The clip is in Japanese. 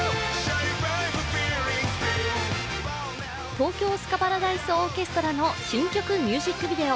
東京スカパラダイスオーケストラの新曲ミュージックビデオ。